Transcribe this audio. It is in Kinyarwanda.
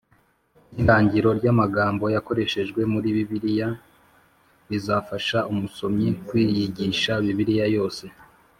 n irangiro ry amagambo yakoreshejwe muri Bibiliya bizafasha umusomyi kwiyigisha Bibiliya yose